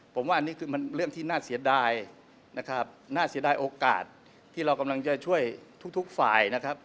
ผมว่าอันนี้คือมันเรื่องที่น่าเสียดายนะครับน่าเสียดายโอกาสที่เรากำลังจะช่วยทุกฝ่ายนะครับ